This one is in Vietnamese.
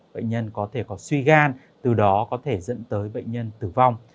bệnh nhân có thể có suy gan từ đó có thể dẫn tới bệnh nhân tử vong